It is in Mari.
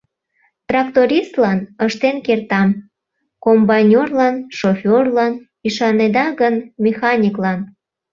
Трактористлан ыштен кертам, комбайнерлан, шоферлан, ӱшанеда гын, механиклан...